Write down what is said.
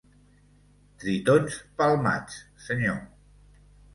Tritons palmats, senyor.